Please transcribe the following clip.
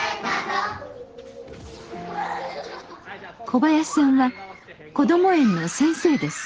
小林さんはこども園の先生です。